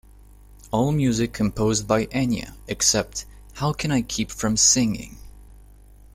All music composed by Enya, except How Can I Keep from Singing?